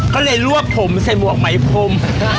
เขาเลยร่วบผมสวยหัวหมายผม